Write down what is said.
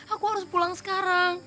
aku harus pulang sekarang